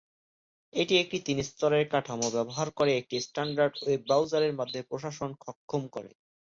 এটি একটি তিন স্তরের কাঠামো ব্যবহার করে একটি স্ট্যান্ডার্ড ওয়েব ব্রাউজারের মাধ্যমে প্রশাসন সক্ষম করে।